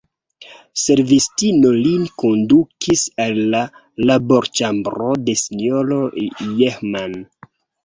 Servistino lin kondukis al la laborĉambro de S-ro Jehman.